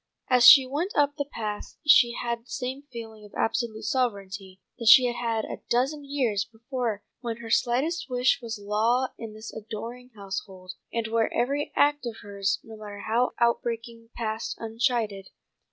As she went up the path she had the same feeling of absolute sovereignty that she had had a dozen years before when her slightest wish was law in this adoring household, and where every act of hers, no matter how outbreaking, passed unchided.